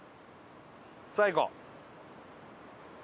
さあいこう。